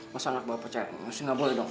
masalah bapak cek masih nggak boleh dong